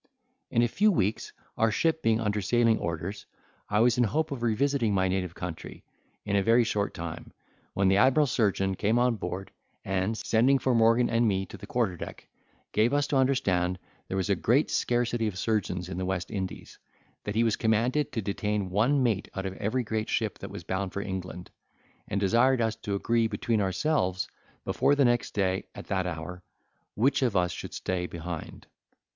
In a few weeks, our ship being under sailing orders, I was in hope of revisiting my native country, in a very short time, when the admiral's surgeon came on board, and, sending for Morgan and me to the quarter deck, gave us to understand there was a great scarcity of surgeons in the West Indies; that he was commanded to detain one mate out of every great ship that was bound for England; and desired us to agree between ourselves, before the next day at that hour, which of us should stay behind.